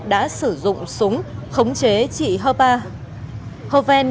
đã sử dụng súng khống chế chị hơ vên